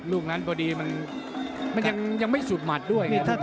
ลูกนั้นพอดีมันยังไม่สุดหมัดด้วยไง